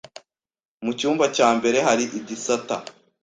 Mu cyumba cya mbere hari igisata